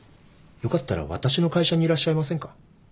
よかったら私の会社にいらっしゃいませんか？